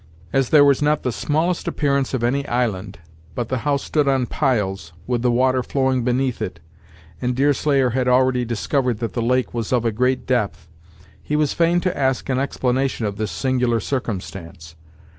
As there was not the smallest appearance of any island, but the house stood on piles, with the water flowing beneath it, and Deerslayer had already discovered that the lake was of a great depth, he was fain to ask an explanation of this singular circumstance.